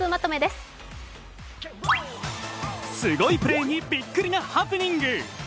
すごいプレーにビックリなハプニング。